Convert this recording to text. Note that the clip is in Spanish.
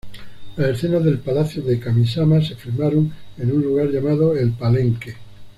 Las escenas del palacio de Kamisama se filmaron en un lugar llamado El Palenque.